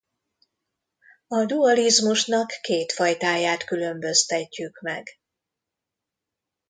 A dualizmusnak két fajtáját különböztetjük meg.